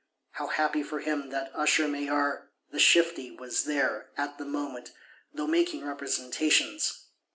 How happy for him that Usher Maillard, the shifty, was there, at the moment, though making representations!